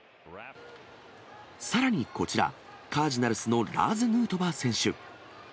さらにこちら、カージナルスのラーズ・ヌートバー選手。